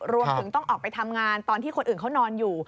รวมถึงต้องออกไปทำงานตอนที่คนอื่นเขานอนอยู่